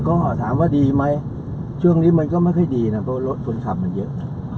ก็ถามว่าดีไหมช่วงนี้มันก็ไม่ค่อยดีนะเพราะรถคนขับมันเยอะ